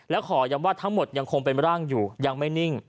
และขอย้ำว่าทั้งหมดยังคงเป็นร่างอยู่ยังไม่นิ่ง